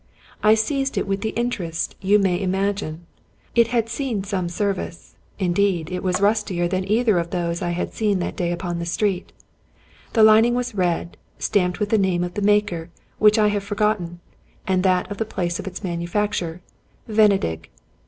I seized it with the interest you may im agine. It had seen some service; indeed, it was rustier than either of those I had seen that day upon the street. The lining was red, stamped with the name of the maker, which I have forgotten, and that of the place of manufac ture, Venedig.